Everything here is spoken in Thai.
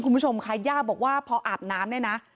คุณผู้ชมค่ะย่าบอกว่าพออาบน้ำเนี่ยนะ